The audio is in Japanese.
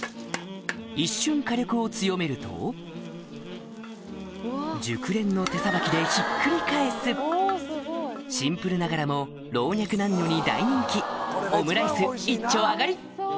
一瞬火力を強めると熟練の手さばきでひっくり返すシンプルながらも老若男女に大人気オムライス１丁上がり！